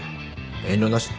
遠慮なしだ。